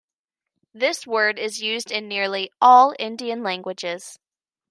This word is used in nearly all Indian languages.